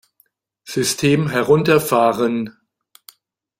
System herunterfahren!